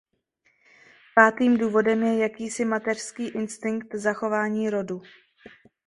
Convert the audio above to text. Pátým důvodem je jakýsi mateřský instinkt zachování rodu.